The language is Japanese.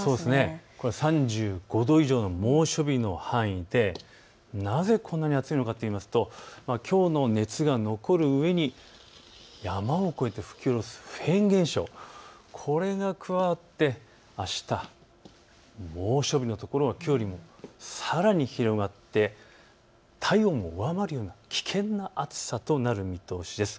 ３５度以上の猛暑日の範囲でなぜこんなに暑いのかといいますときょうの熱が残るうえに山を越えて吹き降ろすフェーン現象、これが加わってあした猛暑日の所、きょうよりもさらに広がって体温を上回るような危険な暑さとなる見通しです。